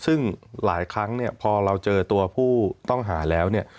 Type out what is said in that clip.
ซึ่งหลายครั้งเนี่ยพอเราเจอตัวผู้ต้องหาแล้วเนี่ย